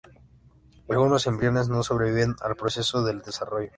Algunos embriones no sobreviven al proceso del desarrollo.